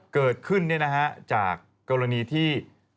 เกิดขึ้นเนี่ยนะฮะจากกรณีที่